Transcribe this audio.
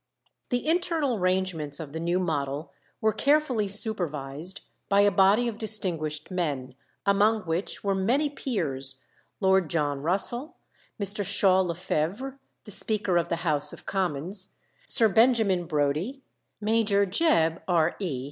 The internal arrangements of the new model were carefully supervised by a body of distinguished men, among which were many peers, Lord John Russell, Mr. Shaw Lefevre, the Speaker of the House of Commons, Sir Benjamin Brodie, Major Jebb, R.E.